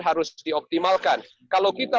harus dioptimalkan kalau kita